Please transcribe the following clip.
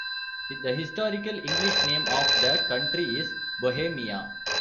The historical English name of the country is Bohemia.